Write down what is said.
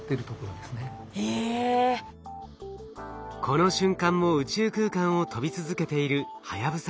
この瞬間も宇宙空間を飛び続けているはやぶさ２。